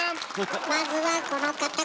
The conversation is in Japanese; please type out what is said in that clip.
まずはこの方から。